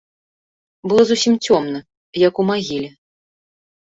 Было зусім цёмна, як у магіле.